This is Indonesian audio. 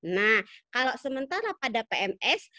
nah kalau sementara pada pms